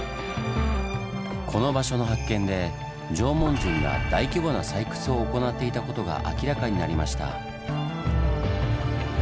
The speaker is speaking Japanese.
この場所の発見で縄文人が大規模な採掘を行っていたことが明らかになりました。